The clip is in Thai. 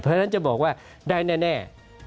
เพราะฉะนั้นจะบอกว่าได้แน่